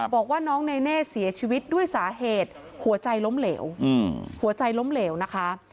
บอกว่าน้องเนเน่เสียชีวิตด้วยสาเหตุหัวใจล้มเหลวหัวใจล้มเหลวนะคะ